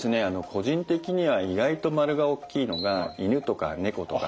個人的には意外と丸がおっきいのが「犬」とか「猫」とか。